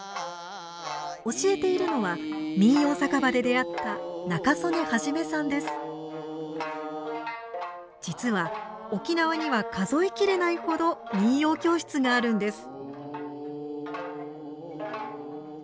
教えているのは民謡酒場で出会った実は沖縄には数え切れないほど民謡教室があるんです。